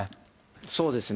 そうですね。